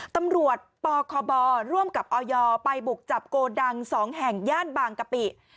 ตำรวจปคบร่วมกับออยไปบุกจับโกดัง๒แห่งย่านบางกะปิ